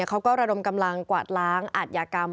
เขาก็ระดมกำลังกวาดล้างอัดยากรรม